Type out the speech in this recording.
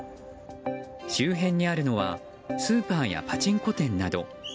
周辺にあるのはスーパーやパチンコ店など。